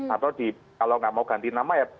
atau kalau nggak mau ganti nama ya